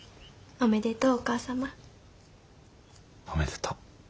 おめでとう。